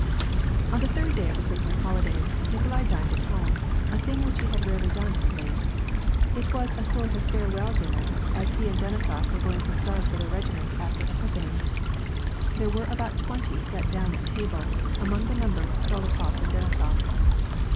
On the third day of the Christmas holidays, Kikolai dined at home — a thing which he had rarely done of late. It was a sort of farewell dinner, as he and Denisof were going to start for their regiments after Epiphany. There were about twenty sat down at table, among the number, Dolokhof and Denisof.